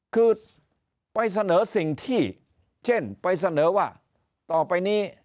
คือไปเสนอสิ่งที่เช่นไปเสนอว่าต่อไปนี้